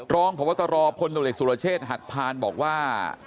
รองพวัตราพลตลอลิสุรเชษฐ์หัดพาลบอกว่า